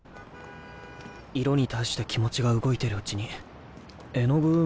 色に対して気持ちが動いてるうちに・おにいさん。